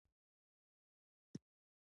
چین د مصنوعي هوش په برخه کې مخکښ دی.